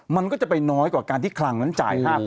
มันก็จะไปน้อยกว่าการที่คลังนั้นจ่าย๕๐๐